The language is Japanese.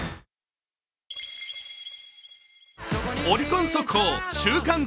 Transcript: オリコン速報週間